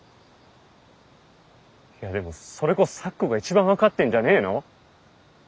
いやでもそれこそ咲子が一番分かってんじゃねぇの？